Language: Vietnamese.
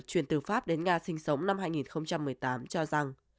truyền từ pháp đến nga sinh sống năm hai nghìn một mươi tám cho rằng